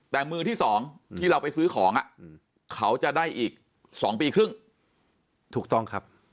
แต่มือที่๒ที่เราไปซื้อของเขาจะได้อีก๒ปีครึ่งถูกต้องครับ